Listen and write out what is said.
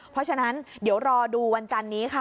เพราะฉะนั้นเดี๋ยวรอดูวันจันนี้ค่ะ